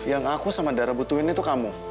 yang aku sama darah butuhin itu kamu